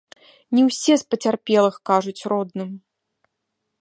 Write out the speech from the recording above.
Не ўсе з пацярпелых кажуць родным.